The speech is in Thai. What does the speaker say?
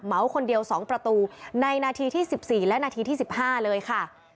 คนเดียว๒ประตูในนาทีที่๑๔และนาทีที่๑๕เลยค่ะ